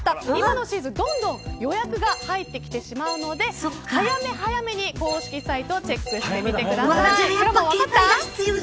また今のシーズンはどんどん予約が入ってしまうので早めに公式サイトをチェックしてください。